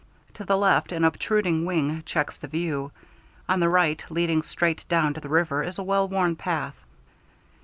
To the left, an obtruding wing checks the view; on the right, leading straight down to the river, is a well worn path.